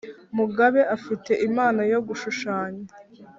mugabe afite impano yo gushushanya